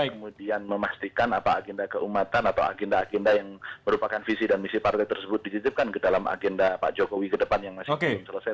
kemudian memastikan apa agenda keumatan atau agenda agenda yang merupakan visi dan misi partai tersebut dititipkan ke dalam agenda pak jokowi ke depan yang masih belum selesai